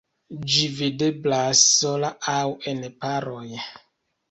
Ĝi videblas sola aŭ en paroj.